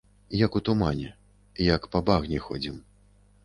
Як у тумане, як па багне ходзім.